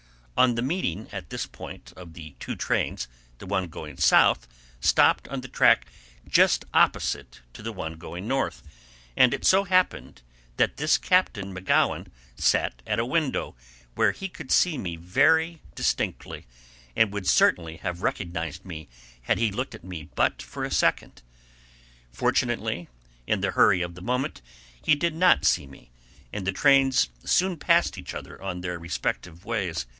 On the meeting at this point of the two trains, the one going south stopped on the track just opposite to the one going north, and it so happened that this Captain McGowan sat at a window where he could see me very distinctly, and would certainly have recognized me had he looked at me but for a second. Fortunately, in the hurry of the moment, he did not see me; and the trains soon passed each other on their respective ways.